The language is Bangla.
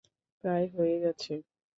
প্রায় হয়ে গেছে!